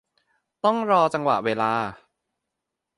ต้องรอจังหวะเวลา